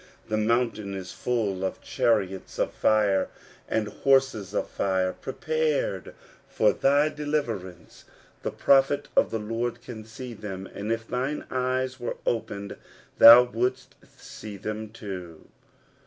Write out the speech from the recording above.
The mountain is full of chariots of fire, and horses of fire, prepared for thy deliverance ; the prophet of the Lord can see them, and if thine eyes were opened thou wouldst see them too.